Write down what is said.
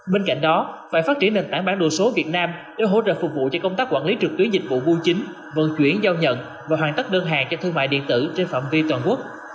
bên cạnh đó phải phát triển nền tảng bản đồ số việt nam để hỗ trợ phục vụ cho công tác quản lý trực tuyến dịch vụ bưu chính vận chuyển giao nhận và hoàn tất đơn hàng cho thương mại điện tử trên phạm vi toàn quốc